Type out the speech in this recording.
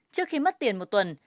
trước khi mất tiền một tuần